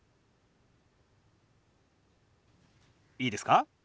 いいですか？